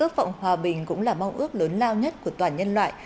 ước vọng hòa bình cũng là mong ước lớn lao nhất của toàn nhân loại